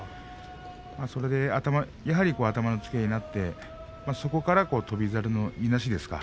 それでやっぱり頭のつけ合いになってそこから一気に翔猿のいなしですか。